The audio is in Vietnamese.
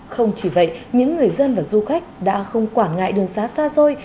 không chỉ vậy những người dân và du khách đã không quản ngại đường xá xa xôi